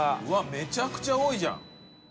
めちゃくちゃ多いじゃん。